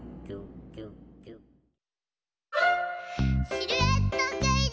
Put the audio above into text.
シルエットクイズ！